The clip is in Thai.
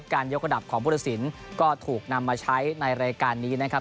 การยกกระดับของผู้ตัดสินก็ถูกนำมาใช้ในรายการนี้นะครับ